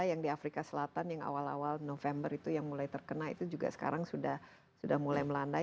yang di afrika selatan yang awal awal november itu yang mulai terkena itu juga sekarang sudah mulai melandai